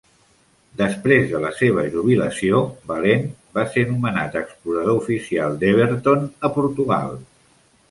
Després de la seva jubilació, Valente va ser nomenat explorador oficial d'Everton a Portugal.